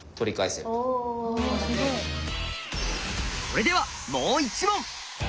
それではもう１問！